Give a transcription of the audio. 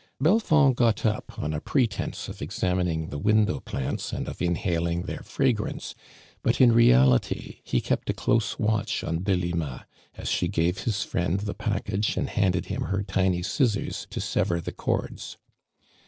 Belfond got up on a pretence of examining the window plants and of inhaling their fragrance, but in reality he kept a close watch on Delima, as she gave his friend the liackage and handed him her tmy scissors to sever the cords.